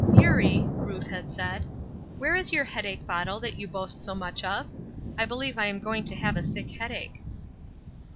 "Eurie," Ruth had said, "where is your head ache bottle that you boast so much of? I believe I am going to have a sick headache."